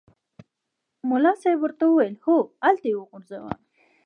ملا صاحب ورته وویل هوغلته یې وغورځوه.